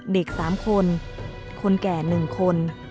เด็ก๓คนคนแก่๑คน